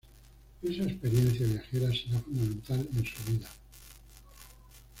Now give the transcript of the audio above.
Esa experiencia viajera será fundamental en su vida.